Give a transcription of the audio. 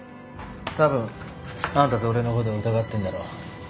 たぶんあんたと俺のことを疑ってんだろ。